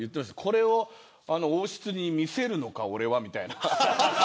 これを王室に見せるのか俺はみたいな。